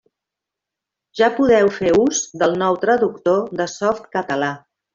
Ja podeu fer ús del nou traductor de Softcatalà.